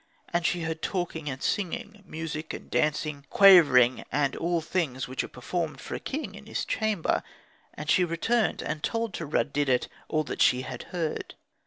And she heard talking and singing, music and dancing, quavering, and all things which are performed for a king in his chamber. And she returned and told to Rud didet all that she had heard.